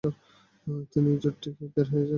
তিনি জোট থেকে বের হয়ে যান।